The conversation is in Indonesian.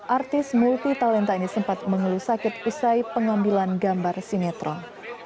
artis multi talenta ini sempat mengeluh sakit usai pengambilan gambar sinetron